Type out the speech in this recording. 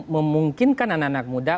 memungkinkan anak anak muda